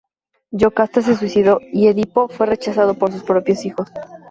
Yocasta se suicidó y Edipo fue rechazado por sus propios hijos.